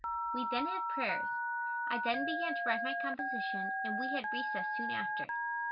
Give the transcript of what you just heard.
We then had prayers. I then began to write my composition and we had recess soon after.